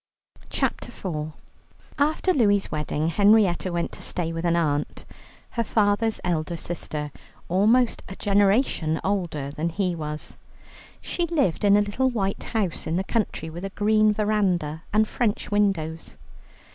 CHAPTER IV After Louie's wedding Henrietta went to stay with an aunt, her father's eldest sister, almost a generation older than he was. She lived in a little white house in the country, with a green verandah and French windows.